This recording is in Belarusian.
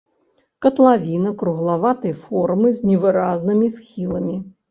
Катлавіна круглаватай формы з невыразнымі схіламі.